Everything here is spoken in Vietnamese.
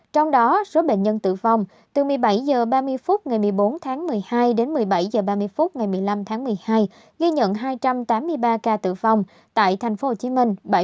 trong đó số bệnh nhân tử vong từ một mươi bảy h ba mươi phút ngày một mươi bốn tháng một mươi hai đến một mươi bảy h ba mươi phút ngày một mươi năm tháng một mươi hai ghi nhận hai trăm tám mươi ba ca tử vong tại tp hcm